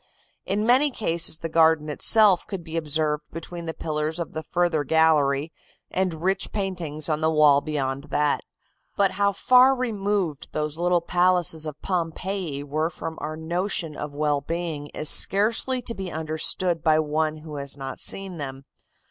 In many cases the garden itself could be observed between the pillars of the further gallery, and rich paintings on the wall beyond that. "But how far removed those little palaces of Pompeii were from our notion of well being is scarcely to be understood by one who has not seen them.